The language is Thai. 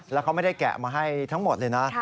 แล้วเขาไม่ได้แกะมาให้ทั้งหมดเลยนะ